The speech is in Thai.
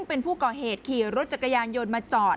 เป็นผู้ก่อเหตุขี่รถจักรยานยนต์มาจอด